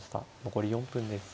残り４分です。